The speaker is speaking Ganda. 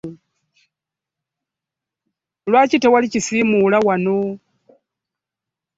Lwaki tewali kisiimula wano?